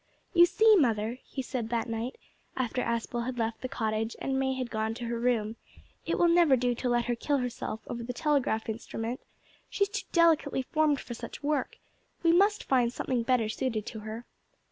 "You see, mother," he said that night, after Aspel had left the cottage and May had gone to her room, "it will never do to let her kill herself over the telegraph instrument. She's too delicately formed for such work. We must find something better suited to her."